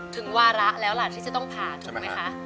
วาระแล้วล่ะที่จะต้องผ่าถูกไหมคะ